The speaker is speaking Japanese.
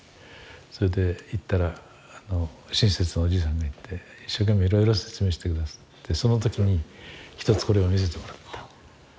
それで行ったら親切なおじいさんがいて一生懸命いろいろ説明して下さってその時に一つこれを見せてもらった。